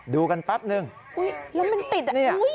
ดูกันแป๊บนึงแล้วมันติดอ่ะ